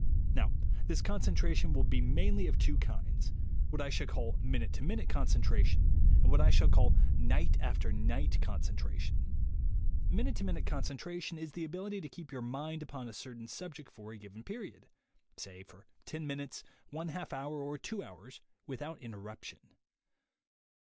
Now this concentration will be mainly of two kinds — what I shall call minute to minute concen tration, and what I shall call night after night con centration. Minute to minute concentration is the ability to keep your mind upon a certain subject for a given period, say for ten minutes, one half hour THE WAY TO WILL POWER 111 or two hours, without interruption.